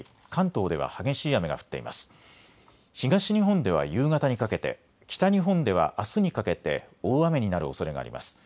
東日本では夕方にかけて、北日本ではあすにかけて大雨になるおそれがあります。